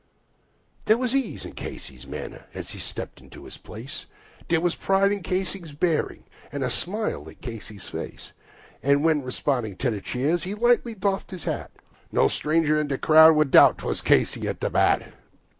There was ease in Casey's manner as he stepped up to his place, There was pride in Casey's bearing and a smile on Casey's face, And when, responding to the cheers, he lightly doffed his hat, No stranger in the crowd could doubt 'twas Casey at the bat.